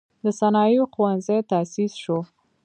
د صنایعو ښوونځی تأسیس شو.